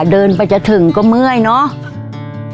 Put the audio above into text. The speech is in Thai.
เดินไปจะถึงก็เมื่อยเนาะ